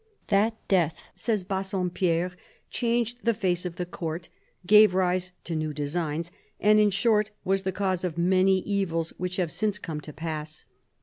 " That death," says Bassompierre, " changed the face of the Court, gave rise to new designs, and in short was the cause of many evils which have since come to pass."